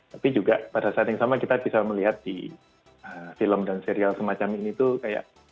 tapi juga pada saat yang sama kita bisa melihat di film dan serial semacam ini tuh kayak